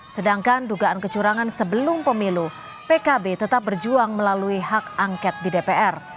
sedangkan dugaan kecurangan sebelum pemilu pkb tetap berjuang melalui hak angket di dpr